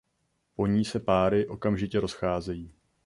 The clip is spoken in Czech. Po ní se páry okamžitě rozcházejí.